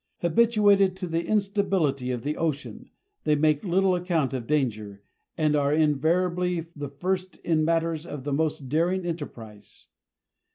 Habituated to the instability of the ocean, they make little account of danger, and are invariably the first in matters of the most daring enterprise.